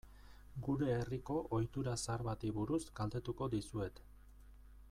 Gure herriko ohitura zahar bati buruz galdetuko dizuet.